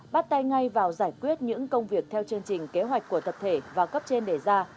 bắt tay ngay vào giải quyết những công việc theo chương trình kế hoạch của tập thể và cấp trên đề ra